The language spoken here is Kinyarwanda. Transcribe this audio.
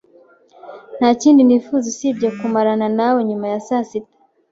Ntakindi nifuza usibye kumarana nawe nyuma ya saa sita.